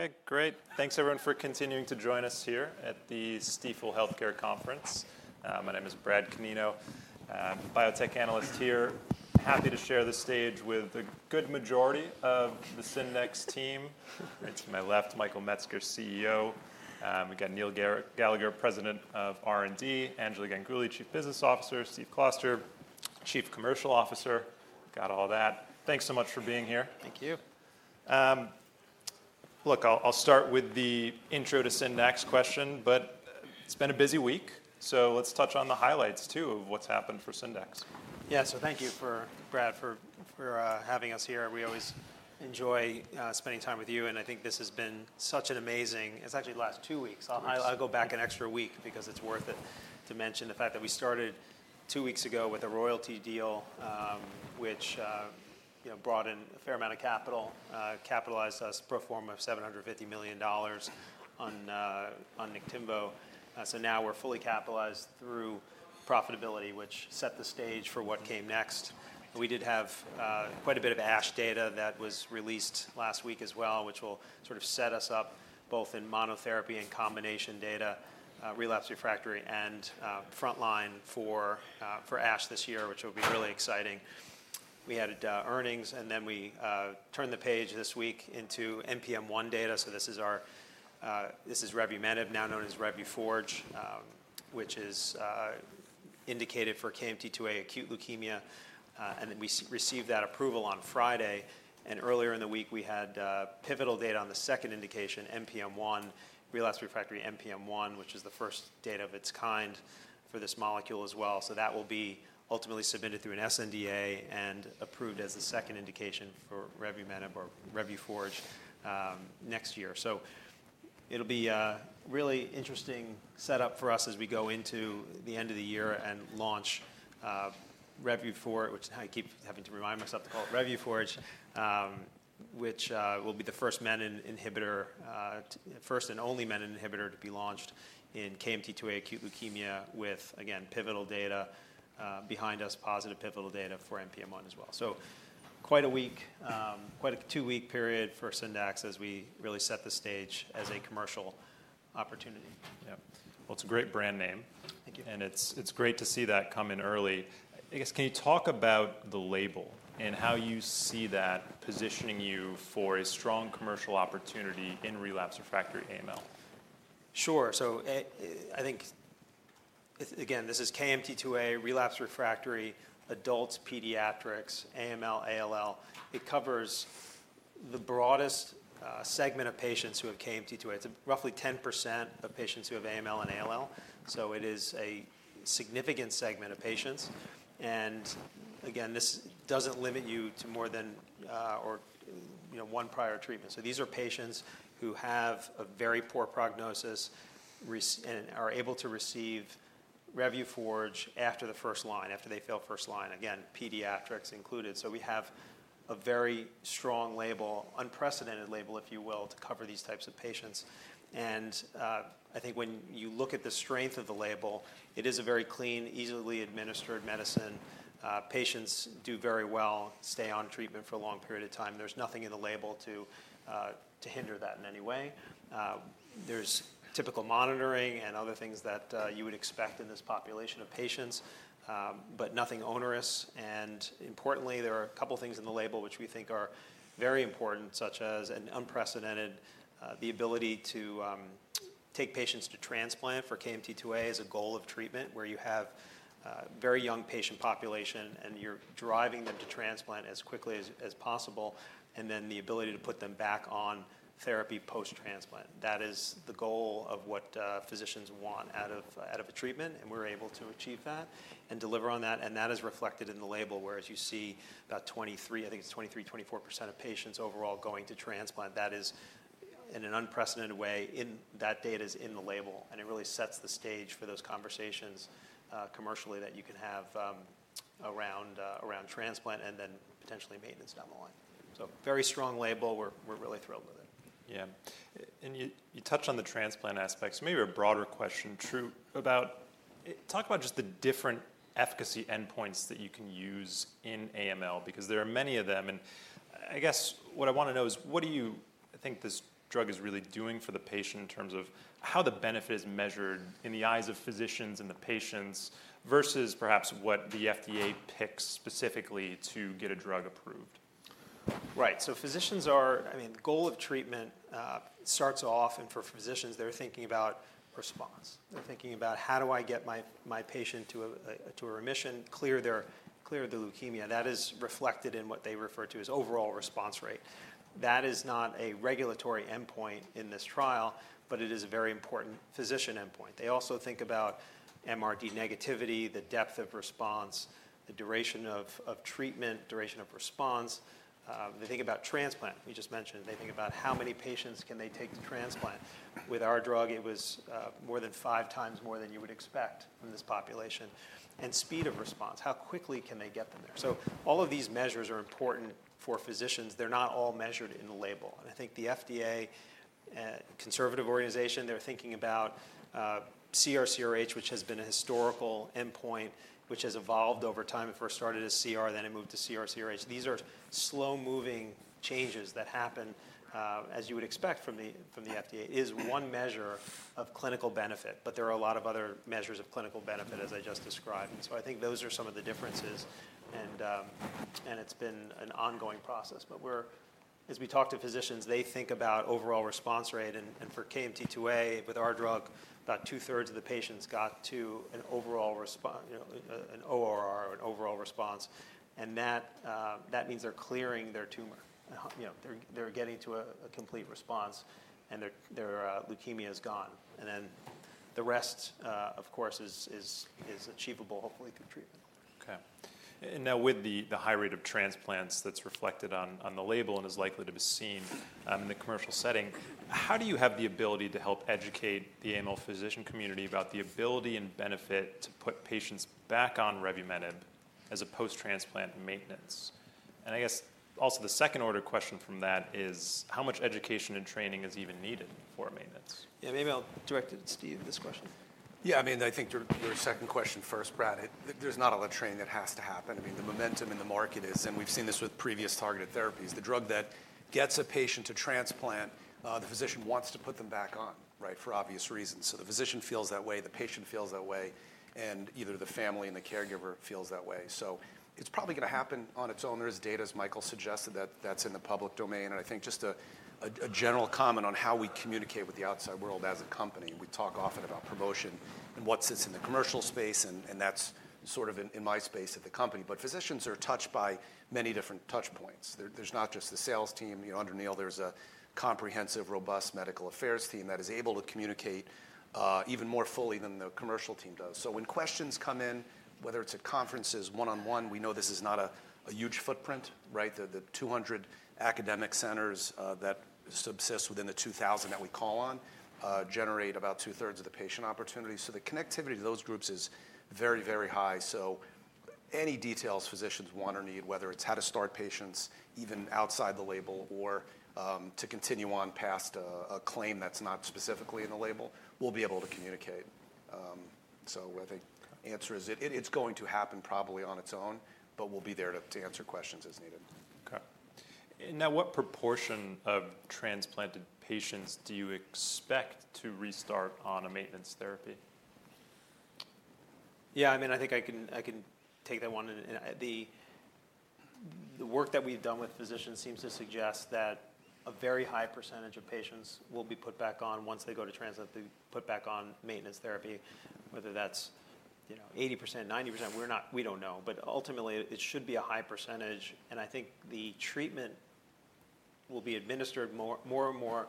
Okay, great. Thanks, everyone, for continuing to join us here at the Stifel Healthcare Conference. My name is Brad Canino, biotech analyst here. Happy to share the stage with the good majority of the Syndax team. Right to my left, Michael Metzger, CEO. We've got Neil Gallagher, President of R&D, Anjali Ganguli, Chief Business Officer, Steve Closter, Chief Commercial Officer. Got all that. Thanks so much for being here. Thank you. Look, I'll start with the intro to Syndax question, but it's been a busy week, so let's touch on the highlights, too, of what's happened for Syndax. Yeah, so thank you, Brad, for having us here. We always enjoy spending time with you, and I think this has been such an amazing, it's actually the last two weeks. I'll go back an extra week because it's worth it to mention the fact that we started two weeks ago with a royalty deal, which brought in a fair amount of capital, capitalized us pro forma $750 million on Niktimvo. So now we're fully capitalized through profitability, which set the stage for what came next. We did have quite a bit of ASH data that was released last week as well, which will sort of set us up both in monotherapy and combination data, relapsed/refractory and frontline for ASH this year, which will be really exciting. We had earnings, and then we turned the page this week into NPM1 data. This is revumenib, now known as Revuforge, which is indicated for KMT2A acute leukemia. We received that approval on Friday. Earlier in the week, we had pivotal data on the second indication, NPM1, relapsed/refractory NPM1, which is the first data of its kind for this molecule as well. That will be ultimately submitted through an sNDA and approved as the second indication for revumenib or Revuforge next year. It will be a really interesting setup for us as we go into the end of the year and launch Revuforge, which I keep having to remind myself to call it Revuforge, which will be the first menin inhibitor, first and only menin inhibitor to be launched in KMT2A acute leukemia with, again, pivotal data behind us, positive pivotal data for NPM1 as well. So quite a week, quite a two-week period for Syndax as we really set the stage as a commercial opportunity. Yeah, well, it's a great brand name. Thank you. It's great to see that coming early. I guess, can you talk about the label and how you see that positioning you for a strong commercial opportunity in relapsed/refractory AML? Sure. So I think, again, this is KMT2A, relapsed/refractory, adults, pediatrics, AML, ALL. It covers the broadest segment of patients who have KMT2A. It's roughly 10% of patients who have AML and ALL. So it is a significant segment of patients. And again, this doesn't limit you to more than one prior treatment. So these are patients who have a very poor prognosis and are able to receive Revuforge after the first line, after they fail first line, again, pediatrics included. So we have a very strong label, unprecedented label, if you will, to cover these types of patients. And I think when you look at the strength of the label, it is a very clean, easily administered medicine. Patients do very well, stay on treatment for a long period of time. There's nothing in the label to hinder that in any way. There's typical monitoring and other things that you would expect in this population of patients, but nothing onerous, and importantly, there are a couple of things in the label which we think are very important, such as an unprecedented ability to take patients to transplant for KMT2A as a goal of treatment, where you have a very young patient population and you're driving them to transplant as quickly as possible, and then the ability to put them back on therapy post-transplant. That is the goal of what physicians want out of a treatment, and we're able to achieve that and deliver on that, and that is reflected in the label, whereas you see about 23%, I think it's 23%, 24% of patients overall going to transplant. That is, in an unprecedented way, that data is in the label, and it really sets the stage for those conversations commercially that you can have around transplant and then potentially maintenance down the line. So very strong label. We're really thrilled with it. Yeah, and you touch on the transplant aspect. So maybe a broader question about to talk about just the different efficacy endpoints that you can use in AML, because there are many of them. I guess what I want to know is, what do you think this drug is really doing for the patient in terms of how the benefit is measured in the eyes of physicians and the patients versus perhaps what the FDA picks specifically to get a drug approved? Right. So physicians are, I mean, the goal of treatment starts off, and for physicians, they're thinking about response. They're thinking about, how do I get my patient to a remission, clear their leukemia? That is reflected in what they refer to as overall response rate. That is not a regulatory endpoint in this trial, but it is a very important physician endpoint. They also think about MRD negativity, the depth of response, the duration of treatment, duration of response. They think about transplant, we just mentioned. They think about how many patients can they take to transplant. With our drug, it was more than five times more than you would expect from this population. And speed of response, how quickly can they get them there? So all of these measures are important for physicians. They're not all measured in the label. I think the FDA, conservative organization, they're thinking about CR/CRh, which has been a historical endpoint, which has evolved over time. It first started as CR, then it moved to CR/CRh. These are slow-moving changes that happen, as you would expect from the FDA. It is one measure of clinical benefit, but there are a lot of other measures of clinical benefit, as I just described. And so I think those are some of the differences. And it's been an ongoing process. But as we talk to physicians, they think about overall response rate. And for KMT2A, with our drug, about two-thirds of the patients got to an overall response, an ORR, an overall response. And that means they're clearing their tumor. They're getting to a complete response, and their leukemia is gone. And then the rest, of course, is achievable, hopefully, through treatment. Okay. And now with the high rate of transplants that's reflected on the label and is likely to be seen in the commercial setting, how do you have the ability to help educate the AML physician community about the ability and benefit to put patients back on revumenib as a post-transplant maintenance? And I guess also the second-order question from that is, how much education and training is even needed for maintenance? Yeah, maybe I'll direct it to Steve with this question. Yeah, I mean, I think your second question first, Brad. There's not a lot of training that has to happen. I mean, the momentum in the market is, and we've seen this with previous targeted therapies, the drug that gets a patient to transplant, the physician wants to put them back on, right, for obvious reasons. So the physician feels that way, the patient feels that way, and either the family and the caregiver feels that way. So it's probably going to happen on its own. There is data, as Michael suggested, that that's in the public domain. And I think just a general comment on how we communicate with the outside world as a company. We talk often about promotion and what sits in the commercial space, and that's sort of in my space at the company. But physicians are touched by many different touch points. There's not just the sales team. Under Neil, there's a comprehensive, robust medical affairs team that is able to communicate even more fully than the commercial team does. So when questions come in, whether it's at conferences, one-on-one, we know this is not a huge footprint, right? The 200 academic centers that subsist within the 2,000 that we call on generate about two-thirds of the patient opportunity. So the connectivity to those groups is very, very high. So any details physicians want or need, whether it's how to start patients even outside the label or to continue on past a claim that's not specifically in the label, we'll be able to communicate. So I think the answer is it's going to happen probably on its own, but we'll be there to answer questions as needed. Okay. And now what proportion of transplanted patients do you expect to restart on a maintenance therapy? Yeah, I mean, I think I can take that one. The work that we've done with physicians seems to suggest that a very high percentage of patients will be put back on once they go to transplant, put back on maintenance therapy, whether that's 80%, 90%, we don't know. But ultimately, it should be a high percentage. And I think the treatment will be administered more and more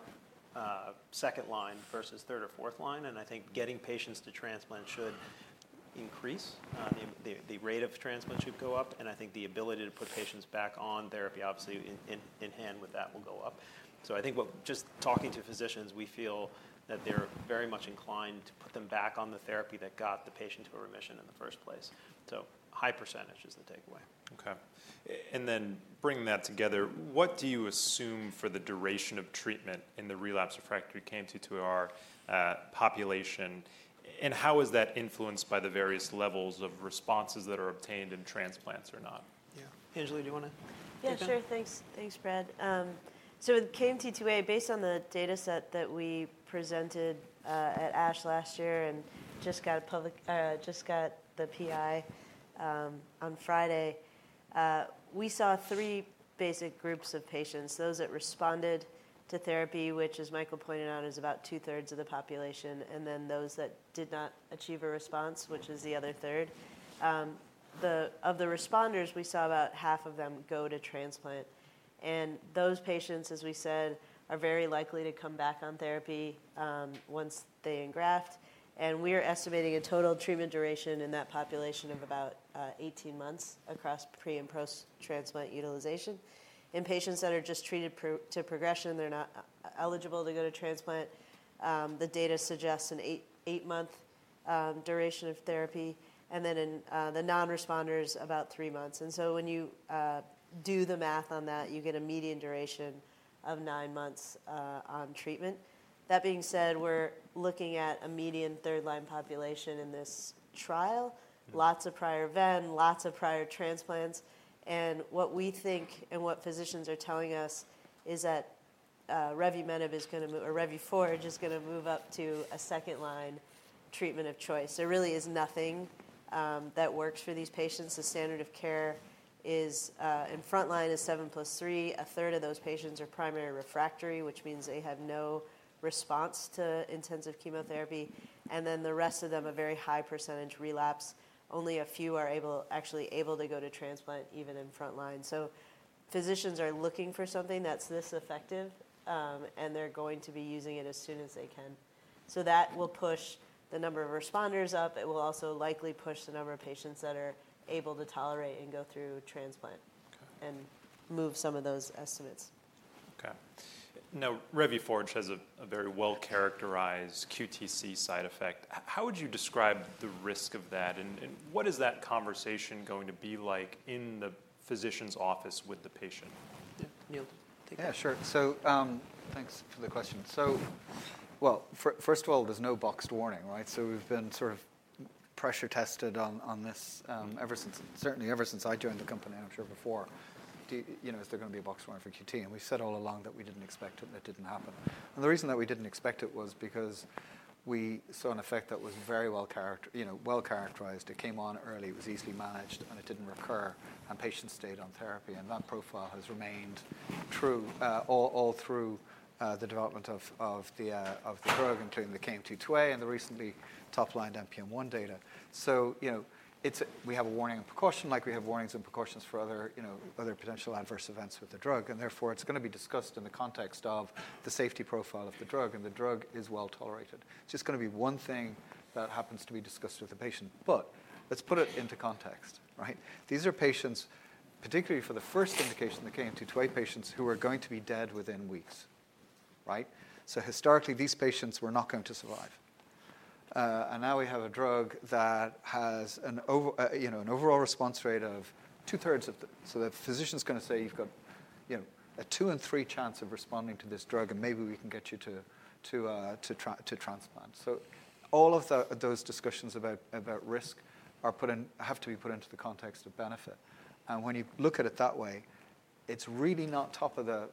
second line versus third or fourth line. And I think getting patients to transplant should increase. The rate of transplant should go up. And I think the ability to put patients back on therapy, obviously, in hand with that will go up. So I think just talking to physicians, we feel that they're very much inclined to put them back on the therapy that got the patient to a remission in the first place. So high percentage is the takeaway. Okay. And then bringing that together, what do you assume for the duration of treatment in the relapsed/refractory KMT2A population? And how is that influenced by the various levels of responses that are obtained in transplants or not? Yeah. Anjali, do you want to? Yeah, sure. Thanks, Brad. So with KMT2A, based on the data set that we presented at ASH last year and just got the PI on Friday, we saw three basic groups of patients, those that responded to therapy, which, as Michael pointed out, is about two-thirds of the population, and then those that did not achieve a response, which is the other third. Of the responders, we saw about half of them go to transplant. And those patients, as we said, are very likely to come back on therapy once they engraft. And we are estimating a total treatment duration in that population of about 18 months across pre and post-transplant utilization. In patients that are just treated to progression, they're not eligible to go to transplant. The data suggests an eight-month duration of therapy. And then in the non-responders, about three months. And so when you do the math on that, you get a median duration of nine months on treatment. That being said, we're looking at a median third-line population in this trial, lots of prior ven, lots of prior transplants. And what we think and what physicians are telling us is that revumenib is going to, or Revuforge, is going to move up to a second-line treatment of choice. There really is nothing that works for these patients. The standard of care in frontline is 7+3. A third of those patients are primary refractory, which means they have no response to intensive chemotherapy. And then the rest of them, a very high percentage relapse. Only a few are actually able to go to transplant even in frontline. So physicians are looking for something that's this effective, and they're going to be using it as soon as they can. So that will push the number of responders up. It will also likely push the number of patients that are able to tolerate and go through transplant and move some of those estimates. Okay. Now, Revuforge has a very well-characterized QTc side effect. How would you describe the risk of that? And what is that conversation going to be like in the physician's office with the patient? Yeah, Neil, take that. Yeah, sure. So thanks for the question. So, well, first of all, there's no boxed warning, right? So we've been sort of pressure tested on this ever since, certainly ever since I joined the company, I'm sure before, is there going to be a boxed warning for QT? And we said all along that we didn't expect it and it didn't happen. And the reason that we didn't expect it was because we saw an effect that was very well-characterized. It came on early. It was easily managed, and it didn't recur. And patients stayed on therapy. And that profile has remained true all through the development of the drug, including the KMT2A and the recently top-line NPM1 data. So we have a warning and precaution, like we have warnings and precautions for other potential adverse events with the drug. And therefore, it's going to be discussed in the context of the safety profile of the drug. And the drug is well-tolerated. It's just going to be one thing that happens to be discussed with the patient. But let's put it into context, right? These are patients, particularly for the first indication, the KMT2A patients, who are going to be dead within weeks, right? So historically, these patients were not going to survive. And now we have a drug that has an overall response rate of two-thirds of the. So the physician's going to say, you've got a two-in-three chance of responding to this drug, and maybe we can get you to transplant. So all of those discussions about risk have to be put into the context of benefit. And when you look at it that way, it's really not top of the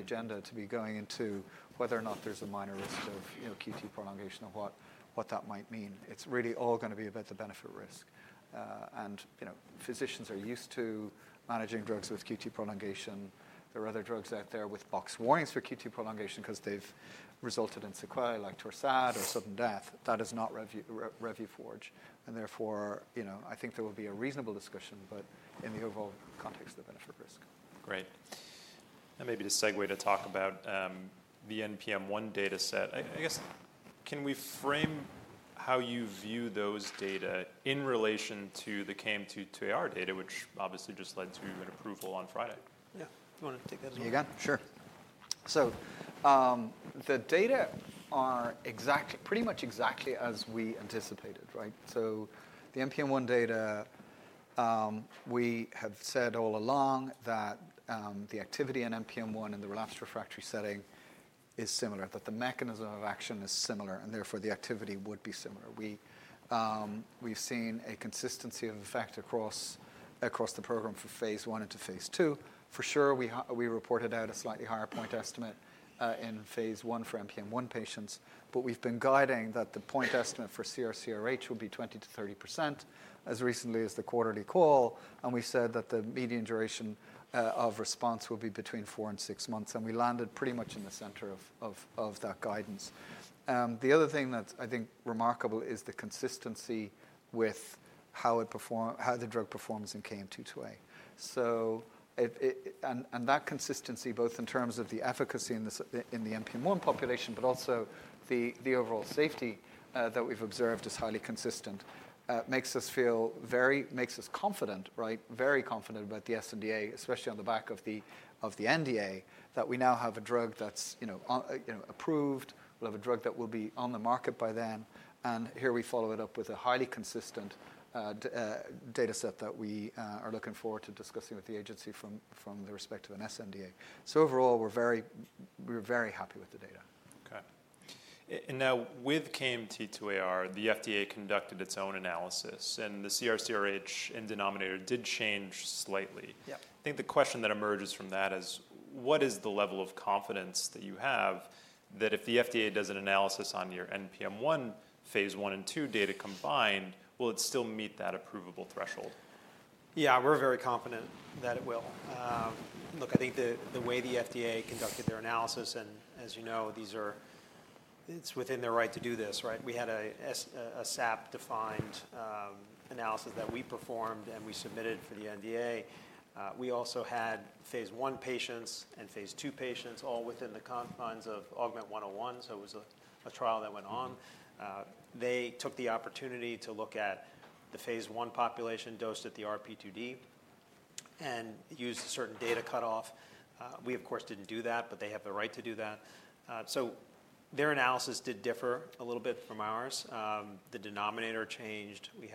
agenda to be going into whether or not there's a minor risk of QTc prolongation or what that might mean. It's really all going to be about the benefit-risk. And physicians are used to managing drugs with QTc prolongation. There are other drugs out there with boxed warnings for QTc prolongation because they've resulted in sequelae like Torsades or sudden death. That is not Revuforge. And therefore, I think there will be a reasonable discussion, but in the overall context of benefit-risk. Great. Maybe to segue to talk about the NPM1 data set, I guess, can we frame how you view those data in relation to the KMT2A-R data, which obviously just led to an approval on Friday? Yeah. Do you want to take that as well? Yeah, you can. Sure. So the data are pretty much exactly as we anticipated, right? So the NPM1 data, we have said all along that the activity in NPM1 in the relapsed/refractory setting is similar, that the mechanism of action is similar, and therefore, the activity would be similar. We've seen a consistency of effect across the program from phase one into phase two. For sure, we reported out a slightly higher point estimate in phase one for NPM1 patients. But we've been guiding that the point estimate for CR/CRh would be 20%-30% as recently as the quarterly call. And we said that the median duration of response will be between four and six months. And we landed pretty much in the center of that guidance. The other thing that I think is remarkable is the consistency with how the drug performs in KMT2A. That consistency, both in terms of the efficacy in the NPM1 population, but also the overall safety that we've observed is highly consistent, makes us feel very, makes us confident, right, very confident about the sNDA, especially on the back of the NDA, that we now have a drug that's approved. We'll have a drug that will be on the market by then. Here we follow it up with a highly consistent data set that we are looking forward to discussing with the agency from the perspective of an sNDA. Overall, we're very happy with the data. Okay. And now with KMT2A-R, the FDA conducted its own analysis. And the CR/CRh in denominator did change slightly. I think the question that emerges from that is, what is the level of confidence that you have that if the FDA does an analysis on your NPM1 phase 1 and 2 data combined, will it still meet that approvable threshold? Yeah, we're very confident that it will. Look, I think the way the FDA conducted their analysis, and as you know, it's within their right to do this, right? We had a SAP-defined analysis that we performed and we submitted for the NDA. We also had phase one patients and phase two patients all within the confines of AUGMENT-101. So it was a trial that went on. They took the opportunity to look at the phase one population dosed at the RP2D and used a certain data cutoff. We, of course, didn't do that, but they have the right to do that. So their analysis did differ a little bit from ours. The denominator changed. The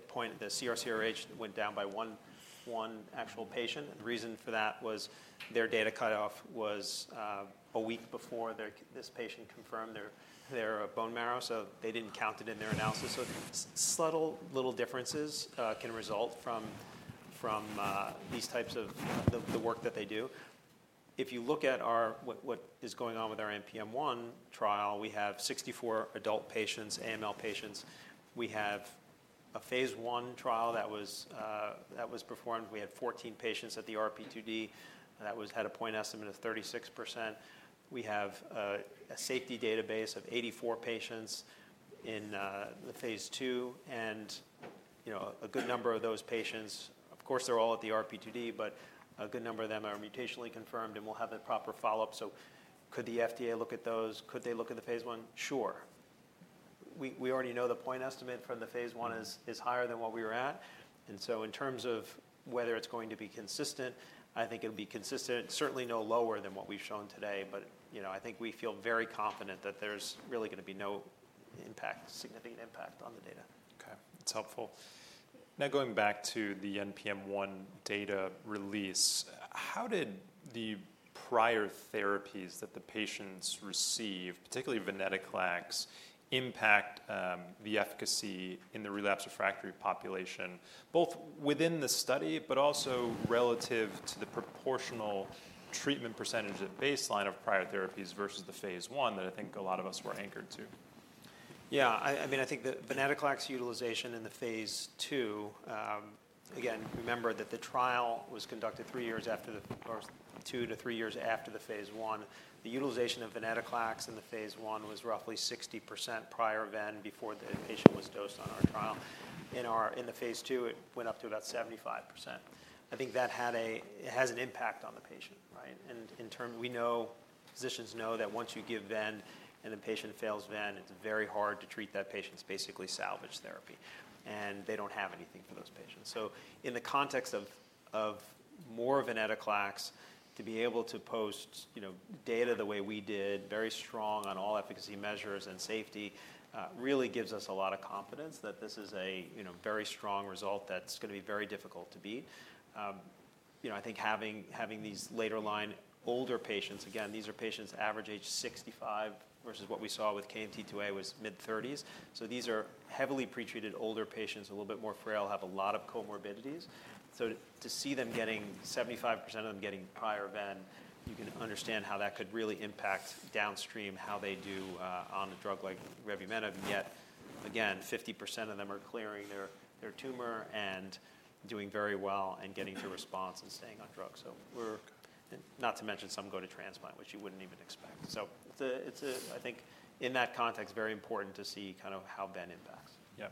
CR/CRh went down by one actual patient. And the reason for that was their data cutoff was a week before this patient confirmed their bone marrow. They didn't count it in their analysis. Subtle little differences can result from these types of the work that they do. If you look at what is going on with our NPM1 trial, we have 64 adult patients, AML patients. We have a phase 1 trial that was performed. We had 14 patients at the RP2D that had a point estimate of 36%. We have a safety database of 84 patients in the phase 2. A good number of those patients, of course, they're all at the RP2D, but a good number of them are mutationally confirmed and will have the proper follow-up. Could the FDA look at those? Could they look at the phase 1? Sure. We already know the point estimate from the phase 1 is higher than what we were at. And so in terms of whether it's going to be consistent, I think it'll be consistent, certainly no lower than what we've shown today. But I think we feel very confident that there's really going to be no impact, significant impact on the data. Okay. That's helpful. Now going back to the NPM1 data release, how did the prior therapies that the patients received, particularly venetoclax, impact the efficacy in the relapsed/refractory population, both within the study, but also relative to the proportional treatment percentage at baseline of prior therapies versus the phase one that I think a lot of us were anchored to? Yeah. I mean, I think the venetoclax utilization in the phase 2, again, remember that the trial was conducted two to three years after the phase 1. The utilization of venetoclax in the phase 1 was roughly 60% prior ven before the patient was dosed on our trial. In the phase 2, it went up to about 75%. I think that has an impact on the patient, right? And we know, physicians know that once you give ven and the patient fails ven, it's very hard to treat that patient. It's basically salvage therapy. And they don't have anything for those patients. So in the context of more venetoclax, to be able to post data the way we did, very strong on all efficacy measures and safety, really gives us a lot of confidence that this is a very strong result that's going to be very difficult to beat. I think having these later-line older patients. Again, these are patients' average age 65 versus what we saw with KMT2A was mid-30s, so these are heavily pretreated older patients, a little bit more frail, have a lot of comorbidities. So to see 75% of them getting prior ven, you can understand how that could really impact downstream how they do on a drug like revumenib, and yet, again, 50% of them are clearing their tumor and doing very well and getting to response and staying on drugs, so, not to mention some go to transplant, which you wouldn't even expect. So it's, I think, in that context, very important to see kind of how ven impacts. Yeah.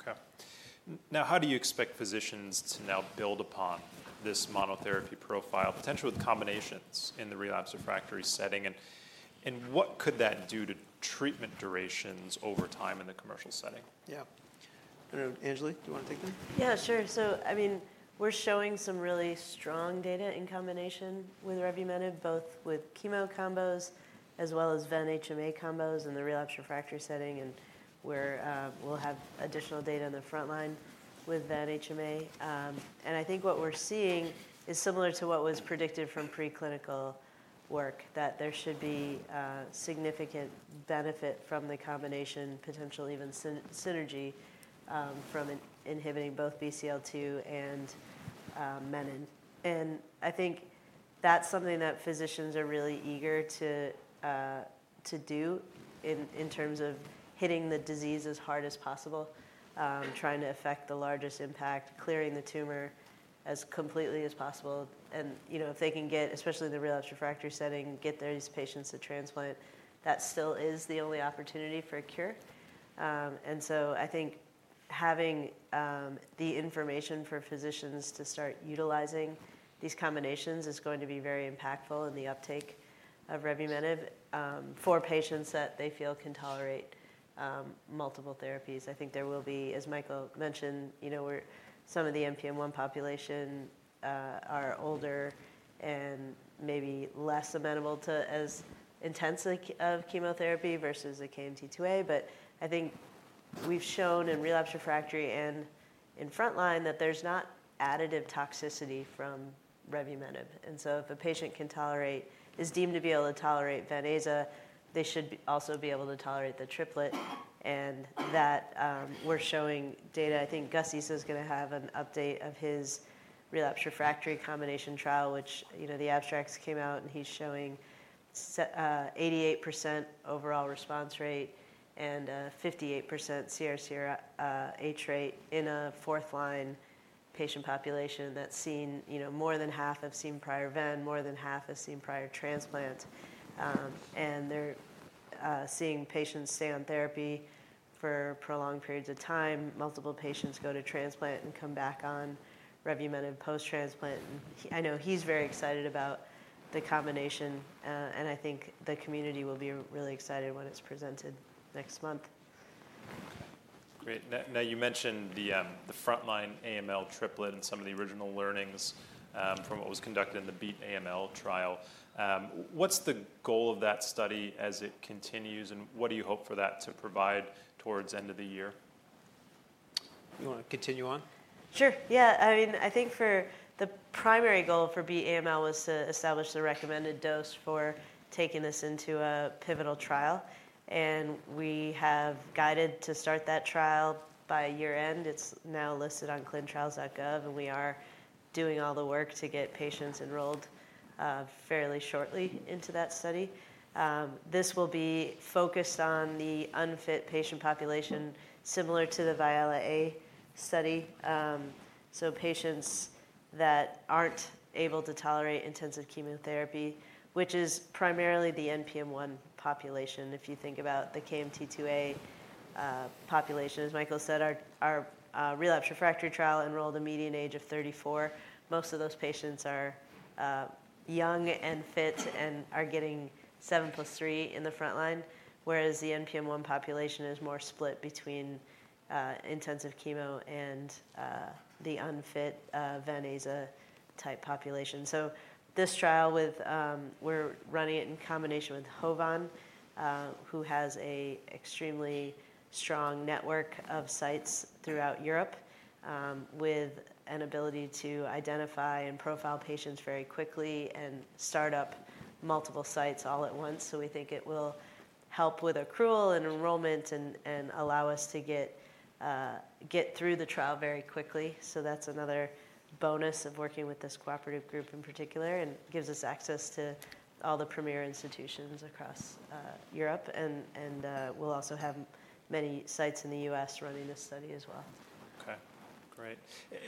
Okay. Now, how do you expect physicians to now build upon this monotherapy profile, potentially with combinations in the relapsed/refractory setting? And what could that do to treatment durations over time in the commercial setting? Yeah. I don't know. Anjali, do you want to take that? Yeah, sure. So I mean, we're showing some really strong data in combination with revumenib, both with chemo combos as well as ven-HMA combos in the relapsed/refractory setting. And we'll have additional data in the frontline with ven-HMA. And I think what we're seeing is similar to what was predicted from preclinical work, that there should be significant benefit from the combination, potential even synergy from inhibiting both BCL-2 and menin. And I think that's something that physicians are really eager to do in terms of hitting the disease as hard as possible, trying to affect the largest impact, clearing the tumor as completely as possible. And if they can get, especially in the relapsed/refractory setting, get these patients to transplant, that still is the only opportunity for a cure. And so I think having the information for physicians to start utilizing these combinations is going to be very impactful in the uptake of revumenib for patients that they feel can tolerate multiple therapies. I think there will be, as Michael mentioned, some of the NPM1 population are older and maybe less amenable to as intensive chemotherapy versus KMT2A. But I think we've shown in relapsed/refractory and in frontline that there's not additive toxicity from revumenib. And so if a patient can tolerate, is deemed to be able to tolerate venetoclax, they should also be able to tolerate the triplet. And that we're showing data. I think Ghayas Issa is going to have an update of his relapsed/refractory combination trial, which the abstracts came out, and he's showing 88% overall response rate and 58% CR/CRh rate in a fourth-line patient population that's seen more than half have seen prior ven, more than half have seen prior transplant. And they're seeing patients stay on therapy for prolonged periods of time. Multiple patients go to transplant and come back on revumenib post-transplant. And I know he's very excited about the combination. And I think the community will be really excited when it's presented next month. Great. Now, you mentioned the frontline AML triplet and some of the original learnings from what was conducted in the BEAT AML trial. What's the goal of that study as it continues, and what do you hope for that to provide towards the end of the year? You want to continue on? Sure. Yeah. I mean, I think the primary goal for BEAT AML was to establish the recommended dose for taking this into a pivotal trial. We have guided to start that trial by year-end. It's now listed on clinicaltrials.gov. We are doing all the work to get patients enrolled fairly shortly into that study. This will be focused on the unfit patient population, similar to the VIALE-A study. So patients that aren't able to tolerate intensive chemotherapy, which is primarily the NPM1 population, if you think about the KMT2A population. As Michael said, our relapsed/refractory trial enrolled a median age of 34. Most of those patients are young and fit and are getting 7+3 in the frontline, whereas the NPM1 population is more split between intensive chemo and the unfit venetoclax-type population. So this trial, we're running it in combination with HOVON, who has an extremely strong network of sites throughout Europe with an ability to identify and profile patients very quickly and start up multiple sites all at once. So we think it will help with accrual and enrollment and allow us to get through the trial very quickly. So that's another bonus of working with this cooperative group in particular and gives us access to all the premier institutions across Europe. And we'll also have many sites in the US running this study as well. Okay. Great.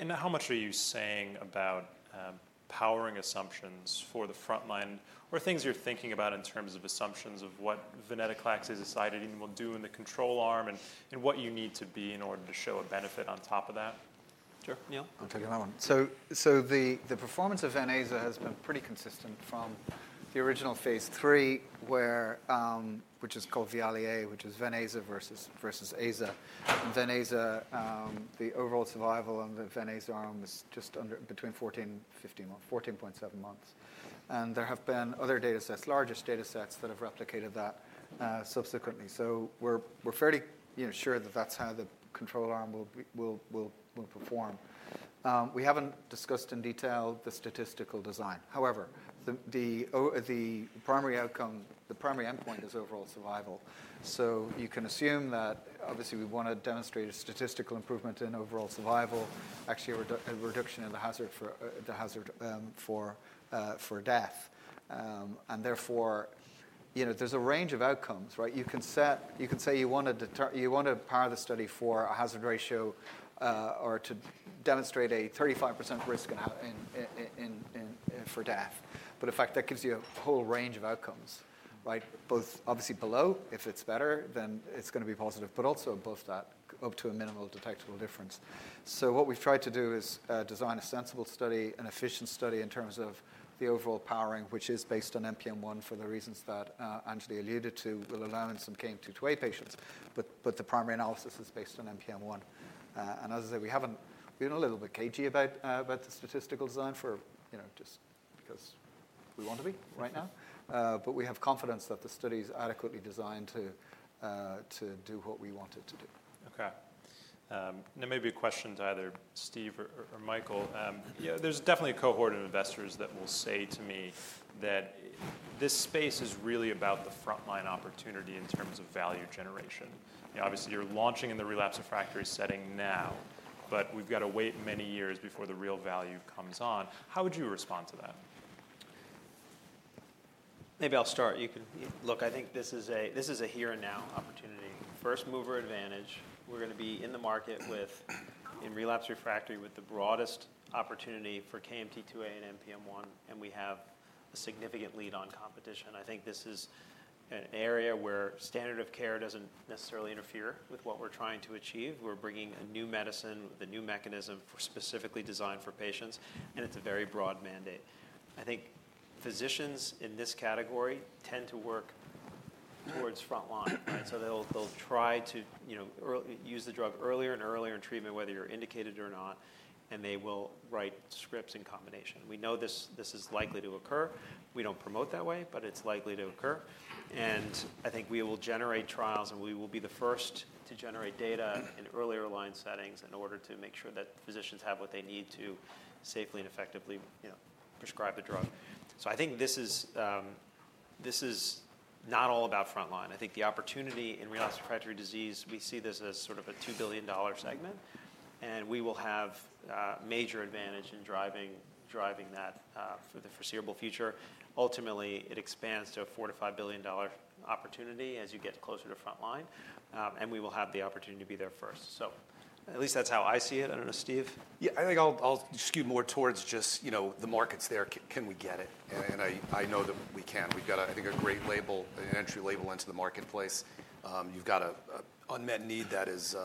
And how much are you saying about powering assumptions for the frontline or things you're thinking about in terms of assumptions of what venetoclax is decided and will do in the control arm and what you need to be in order to show a benefit on top of that? Sure. Yeah. I'll take that one. So the performance of Venclexta has been pretty consistent from the original phase 3, which is called VIALE-A, which is Venclexta versus Aza. And Venclexta, the overall survival on the Venclexta arm is just between 14.7 months. And there have been other data sets, largest data sets that have replicated that subsequently. So we're fairly sure that that's how the control arm will perform. We haven't discussed in detail the statistical design. However, the primary outcome, the primary endpoint is overall survival. So you can assume that obviously we want to demonstrate a statistical improvement in overall survival, actually a reduction in the hazard for death. And therefore, there's a range of outcomes, right? You can say you want to power the study for a hazard ratio or to demonstrate a 35% risk for death. But in fact, that gives you a whole range of outcomes, right? Both obviously below, if it's better, then it's going to be positive, but also above that, up to a minimal detectable difference. So what we've tried to do is design a sensible study, an efficient study in terms of the overall powering, which is based on NPM1 for the reasons that Anjali alluded to, will allow in some KMT2A patients. But the primary analysis is based on NPM1. And as I say, we've been a little bit cagey about the statistical design just because we want to be right now. But we have confidence that the study is adequately designed to do what we want it to do. Okay. Now, maybe a question to either Steve or Michael. There's definitely a cohort of investors that will say to me that this space is really about the frontline opportunity in terms of value generation. Obviously, you're launching in the relapse refractory setting now, but we've got to wait many years before the real value comes on. How would you respond to that? Maybe I'll start. Look, I think this is a here-and-now opportunity. First mover advantage. We're going to be in the market in relapsed/refractory with the broadest opportunity for KMT2A and NPM1, and we have a significant lead on competition. I think this is an area where standard of care doesn't necessarily interfere with what we're trying to achieve. We're bringing a new medicine with a new mechanism specifically designed for patients, and it's a very broad mandate. I think physicians in this category tend to work towards frontline, right? So they'll try to use the drug earlier and earlier in treatment, whether you're indicated or not, and they will write scripts in combination. We know this is likely to occur. We don't promote that way, but it's likely to occur. I think we will generate trials, and we will be the first to generate data in earlier line settings in order to make sure that physicians have what they need to safely and effectively prescribe the drug. I think this is not all about frontline. I think the opportunity in relapse refractory disease, we see this as sort of a $2 billion segment, and we will have major advantage in driving that for the foreseeable future. Ultimately, it expands to a $4-$5 billion opportunity as you get closer to frontline, and we will have the opportunity to be there first. At least that's how I see it. I don't know, Steve. Yeah. I think I'll skew more towards just the markets there. Can we get it? And I know that we can. We've got, I think, a great entry label into the marketplace. You've got an unmet need that is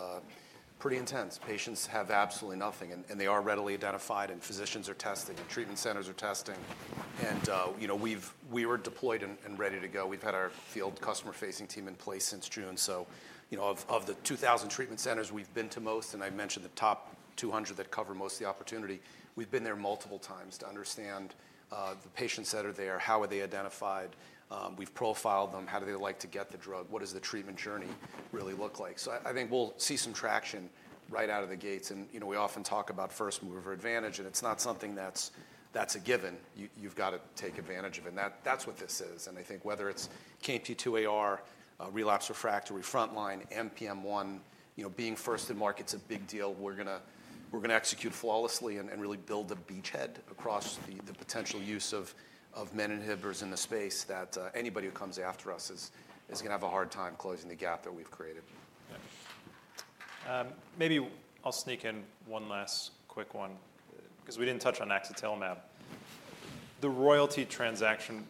pretty intense. Patients have absolutely nothing, and they are readily identified, and physicians are testing, and treatment centers are testing. And we were deployed and ready to go. We've had our field customer-facing team in place since June. So of the 2,000 treatment centers we've been to most, and I mentioned the top 200 that cover most of the opportunity, we've been there multiple times to understand the patients that are there, how are they identified, we've profiled them, how do they like to get the drug, what does the treatment journey really look like. So I think we'll see some traction right out of the gates. We often talk about first mover advantage, and it's not something that's a given. You've got to take advantage of it. And that's what this is. I think whether it's KMT2A-R, relapse refractory, frontline, NPM1, being first in market's a big deal. We're going to execute flawlessly and really build a beachhead across the potential use of menin inhibitors in the space that anybody who comes after us is going to have a hard time closing the gap that we've created. Maybe I'll sneak in one last quick one because we didn't touch on axatilimab. The royalty transaction,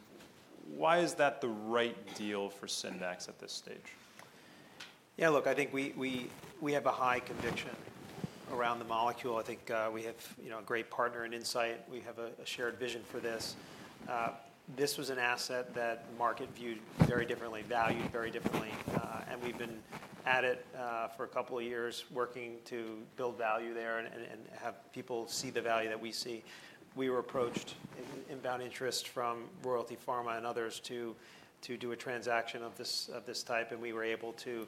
why is that the right deal for Syndax at this stage? Yeah, look, I think we have a high conviction around the molecule. I think we have a great partner in Incyte. We have a shared vision for this. This was an asset that the market viewed very differently, valued very differently. And we've been at it for a couple of years working to build value there and have people see the value that we see. We were approached with inbound interest from Royalty Pharma and others to do a transaction of this type, and we were able to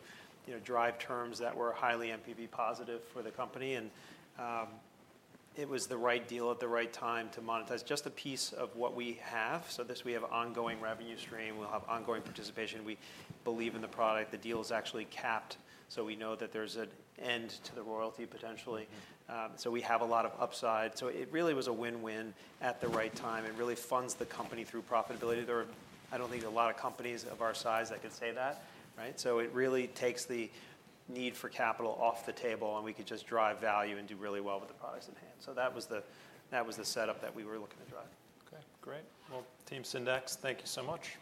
drive terms that were highly NPV positive for the company. And it was the right deal at the right time to monetize just a piece of what we have. So, this we have ongoing revenue stream. We'll have ongoing participation. We believe in the product. The deal is actually capped, so we know that there's an end to the royalty potentially. So we have a lot of upside. So it really was a win-win at the right time and really funds the company through profitability. I don't think there are a lot of companies of our size that can say that, right? So it really takes the need for capital off the table, and we could just drive value and do really well with the products in hand. So that was the setup that we were looking to drive. Okay. Great. Well, Team Syndax, thank you so much.